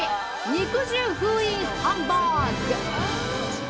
肉汁封印ハンバーグ。